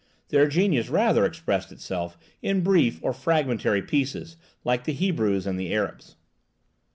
Their genius rather expressed itself in brief or fragmentary pieces, like the Hebrews and the Arabs.